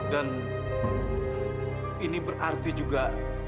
dan ini berarti juga